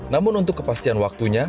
namun untuk kepastian waktunya